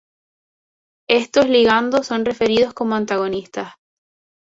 Estos ligandos son referidos como antagonistas.